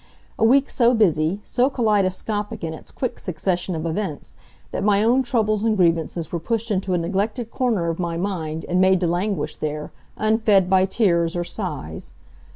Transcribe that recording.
A week so busy, so kaleidoscopic in its quick succession of events that my own troubles and grievances were pushed into a neglected corner of my mind and made to languish there, unfed by tears or sighs.